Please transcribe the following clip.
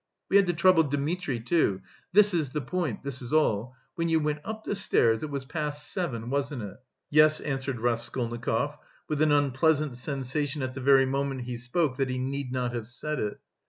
We had to trouble Dmitri too.... This is the point, this is all: when you went up the stairs it was past seven, wasn't it?" "Yes," answered Raskolnikov, with an unpleasant sensation at the very moment he spoke that he need not have said it.